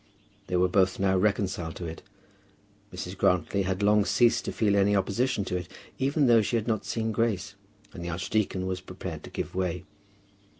They were both now reconciled to it. Mrs. Grantly had long ceased to feel any opposition to it, even though she had not seen Grace; and the archdeacon was prepared to give way.